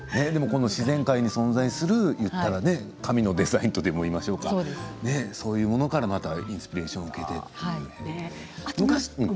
自然界に存在する言ったら、神のデザインとでも言いましょうかそういうものからまたインスピレーションを受けて。